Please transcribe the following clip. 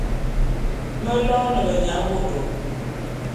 Me loene benyabôtô.